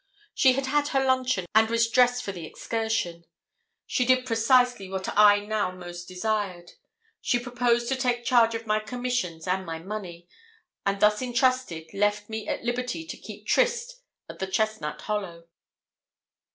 She had had her luncheon, and was dressed for the excursion, she did precisely what I now most desired she proposed to take charge of my commissions and my money; and thus entrusted, left me at liberty to keep tryst at the Chestnut Hollow.